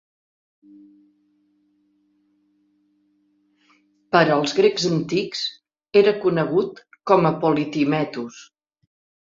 Per als grecs antics era conegut com a Polytimetus.